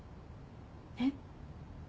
えっ？